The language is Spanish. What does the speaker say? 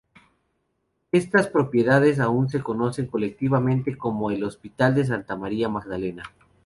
Estas propiedades aún se conocen colectivamente como el Hospital de Santa María Magdalena.